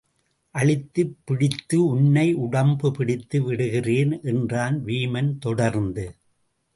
அழுத்திப் பிடித்து உன்னை உடம்பு பிடித்து விடுகிறேன் என்றான் வீமன் தொடர்ந்து.